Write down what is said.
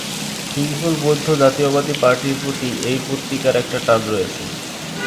সিংহল বৌদ্ধ জাতীয়তাবাদী পার্টির প্রতি এই পত্রিকার একটা টান রয়েছে।